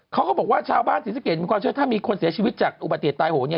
เขาก็บอกว่าชาวบ้านศรีสะเกดมีความเชื่อถ้ามีคนเสียชีวิตจากอุบัติเหตุตายโหเนี่ย